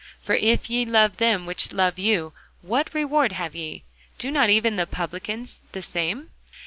For if ye love them which love you, what reward have ye? do not even the publicans the same?